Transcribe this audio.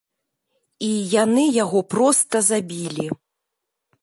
І яны яго проста забілі.